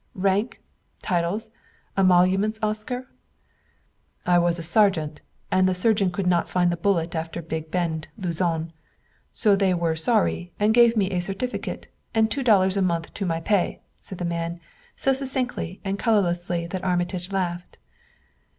"Rank, titles, emoluments, Oscar?" "I was a sergeant; and the surgeon could not find the bullet after Big Bend, Luzon; so they were sorry and gave me a certificate and two dollars a month to my pay," said the man, so succinctly and colorlessly that Armitage laughed.